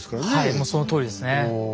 もうそのとおりですね。